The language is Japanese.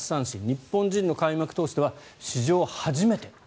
日本人の開幕投手では史上初めて。